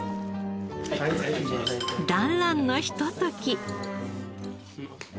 団らんのひととき。